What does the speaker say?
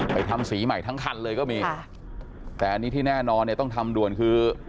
ทำสีใหม่ทั้งคันเลยก็มีค่ะแต่อันนี้ที่แน่นอนเนี่ยต้องทำด่วนคือ